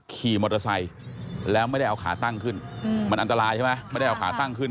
ขี่มอเตอร์ไซค์แล้วไม่ได้เอาขาตั้งขึ้น